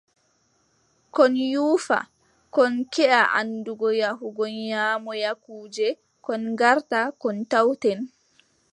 Kon nyuufa, kon keʼa anndugo yahugo nyaamoya kuuje, kon ngarta, kon tawten.